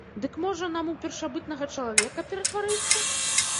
Дык, можа, нам у першабытнага чалавека ператварыцца?